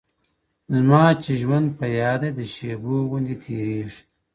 زما چي ژوند په یاد دی د شېبو غوندي تیریږي -